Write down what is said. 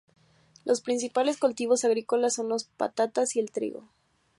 Los principales cultivos agrícolas son las patatas y el trigo.